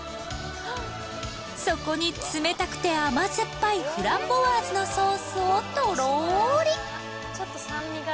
そこに冷たくて甘酸っぱいフランボワーズのソースをとろり。